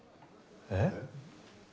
えっ？